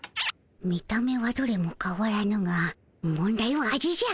見た目はどれもかわらぬが問題は味じゃ。